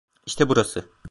İşte burası.